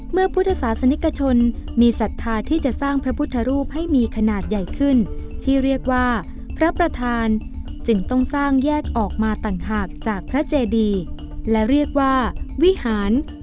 พุทธศาสนิกชนมีศรัทธาที่จะสร้างพระพุทธรูปให้มีขนาดใหญ่ขึ้นที่เรียกว่าพระประธานจึงต้องสร้างแยกออกมาต่างหากจากพระเจดีและเรียกว่าวิหาร